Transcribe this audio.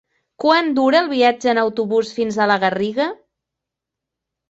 Quant dura el viatge en autobús fins a la Garriga?